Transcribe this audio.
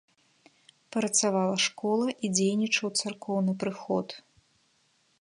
Працавала школа і дзейнічаў царкоўны прыход.